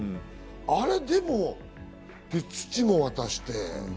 あれ、でも、土も渡して。